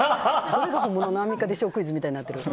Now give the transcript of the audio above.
誰が本物のアンミカでしょうみたいになってる。